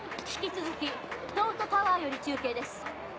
引き続き東都タワーより中継です。